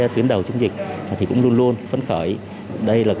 trên địa bàn tp bùa mạc